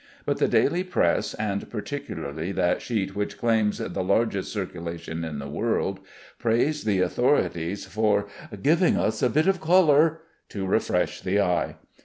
But the daily press, and particularly that sheet which claims the largest circulation in the world, praised the authorities for "giving us a bit of color" to refresh the eye.